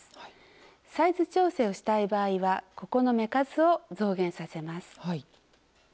サイズ調整をしたい場合はここの目数を増減させます。